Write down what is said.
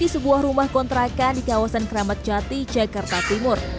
sebuah rumah kontrakan di kawasan kramat jati jakarta timur